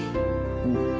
うん。